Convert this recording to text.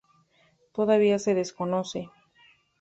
Todavía se desconoce.